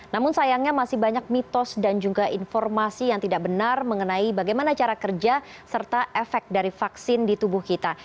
namun sayangnya masih banyak mitos dan juga informasi yang tidak benar mengenai bagaimana cara kerja serta efek dari vaksin di tubuh kita